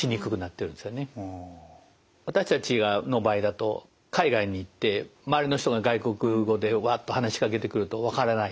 私たちの場合だと海外に行って周りの人が外国語でわっと話しかけてくるとわからない。